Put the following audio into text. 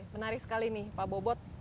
menarik sekali nih pak bobot